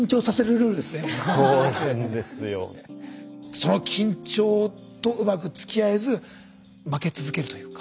その緊張とうまくつきあえず負け続けるというか。